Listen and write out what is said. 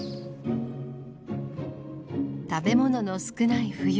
食べ物の少ない冬。